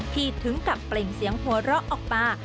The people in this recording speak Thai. ถึงกับเปล่งเสียงหัวเราะออกมา